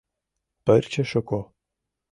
Пырче шуко